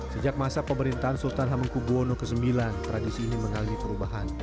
sejak masa pemerintahan sultan hamengkubwono ix tradisi ini mengalami perubahan